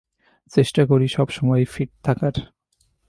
চেষ্টা করি সব সময়ই ফিট থাকার।